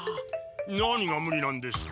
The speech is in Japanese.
何がムリなんですか？